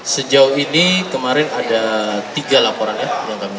sejauh ini kemarin ada tiga laporan yang kami terima